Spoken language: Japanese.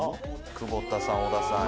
久保田さん小田さんや。